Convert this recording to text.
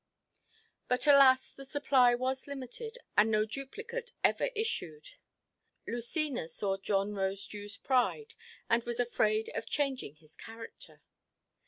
But alas! the supply was limited, and no duplicate ever issued. Lucina saw John Rosedewʼs pride, and was afraid of changing his character.